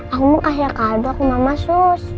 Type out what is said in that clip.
aku mau kasih kado ke mama sus